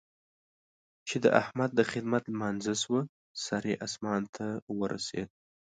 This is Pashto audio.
چې د احمد د خدمت لمانځه شوه؛ سر يې اسمان ته ورسېد.